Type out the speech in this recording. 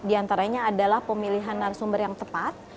diantaranya adalah pemilihan narasumber yang tepat